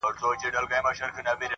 • د چا د ويښ زړگي ميسج ننوت؛